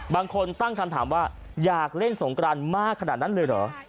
บางคนตั้งคำถามว่าอยากเล่นสงกรานมากขนาดนั้นเลยเหรอ